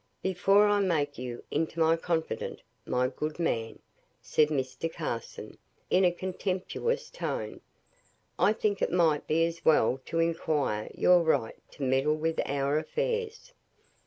"Before I make you into my confidant, my good man," said Mr. Carson, in a contemptuous tone, "I think it might be as well to inquire your right to meddle with our affairs.